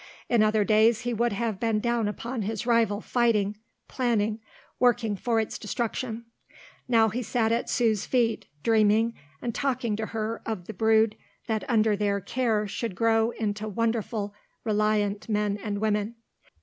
In other days he would have been down upon this rival fighting, planning, working for its destruction. Now he sat at Sue's feet, dreaming and talking to her of the brood that under their care should grow into wonderful reliant men and women.